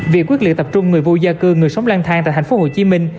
vì quyết liệu tập trung người vô gia cư người sống lang thang tại thành phố hồ chí minh